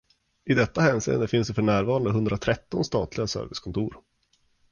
I detta hänseende finns det för närvarande hundratretton statliga servicekontor.